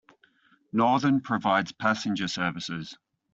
Northern provides passenger services.